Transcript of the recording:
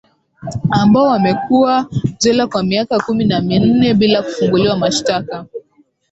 ambao wamekuwa jela kwa miaka kumi na minne bila kufunguliwa mashtaka